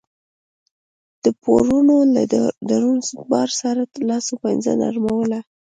د پورونو له دروند بار سره لاس و پنجه نرموله